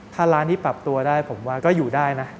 ถ้าร้านนี้ปรับตัวได้ผมว่าก็อยู่ได้นะ